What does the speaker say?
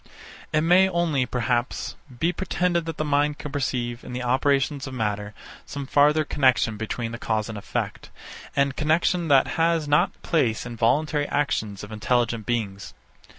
It may only, perhaps, be pretended that the mind can perceive, in the operations of matter, some farther connexion between the cause and effect; and connexion that has not place in voluntary actions of intelligent beings.